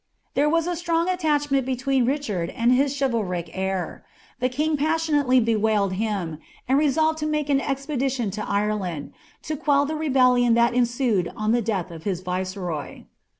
There was a strong atlachmeut between Richard i bis chivalric heir; the king passionately bewailed him, and resolvtJ^ ■ an eipedition to Ireland, to quell the rebellion ihul ensued o h of his viceroy.